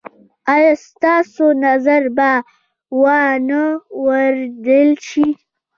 ایا ستاسو نظر به وا نه وریدل شي؟